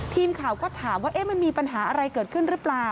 ทีมข่าวก็ถามว่ามันมีปัญหาอะไรเกิดขึ้นหรือเปล่า